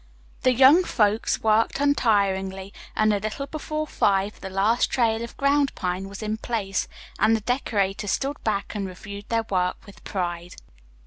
The young folks worked untiringly and a little before five the last trail of ground pine was in place, and the decorators stood back and reviewed their work with pride.